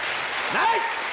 ない！